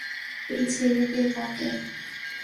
এই ছেড়ে দে তাকে!